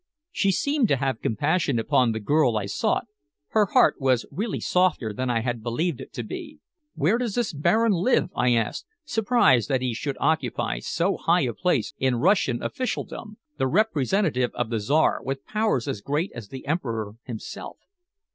She seemed to have compassion upon the girl I sought; her heart was really softer than I had believed it to be. "Where does this Baron live?" I asked, surprised that he should occupy so high a place in Russian officialdom the representative of the Czar, with powers as great as the Emperor himself.